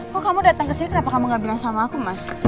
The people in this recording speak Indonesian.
kok kamu datang ke sini kenapa kamu gak bilang sama aku mas